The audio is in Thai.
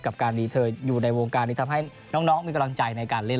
กับการมีเธออยู่ในวงการนี้ทำให้น้องมีกำลังใจในการเล่น